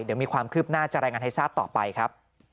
เดี๋ยวมีความคืบหน้าจะรายงานให้ทราบต่อไปครับ